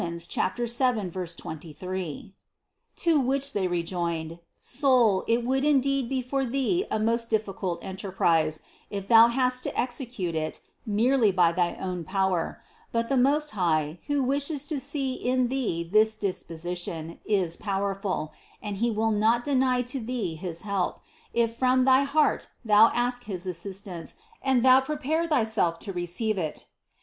7, 23). To which they rejoined: "Soul, it would in deed be for thee a most difficult enterprise, if thou hadst to execute it merely with thy own power ; but the Most High, who wishes to see in thee this disposition, is pow erful, and He will not deny to thee his help, if from thy heart thou ask his assistance and thou prepare thyself to receive it.